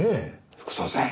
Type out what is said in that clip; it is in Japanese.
副総裁。